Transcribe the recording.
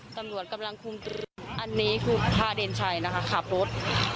ตำรวจกำลังคุมตัวอันนี้คือพาเดนชัยนะคะขับรถ